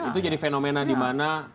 itu jadi fenomena di mana